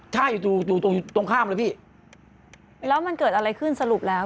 ใช่อยู่ตรงตรงข้ามเลยพี่แล้วมันเกิดอะไรขึ้นสรุปแล้ว